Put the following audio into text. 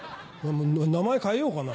名前変えようかな。